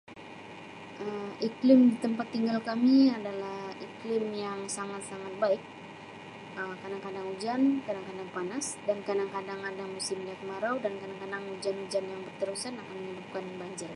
Um Iklim di tempat tinggal kami adalah iklim yang sangat-sangat baik Um kadang-kadang ujan, kadang-kadang panas dan kadang-kadang ada musim dia kemarau dan kadang-kadang ujan-ujan yang berterusan akan menyebabkan banjir.